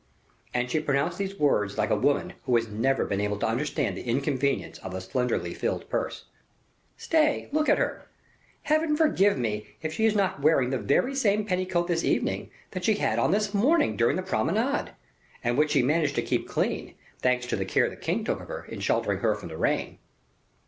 And she pronounced these words like a woman who has never been able to understand the inconveniences of a slenderly filled purse. "Stay, look at her. Heaven forgive me, if she is not wearing the very same petticoat this evening that she had on this morning during the promenade, and which she managed to keep clean, thanks to the care the king took of her, in sheltering her from the rain."